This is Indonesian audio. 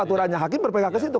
aturannya hakim berpegang ke situ